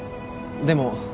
でも。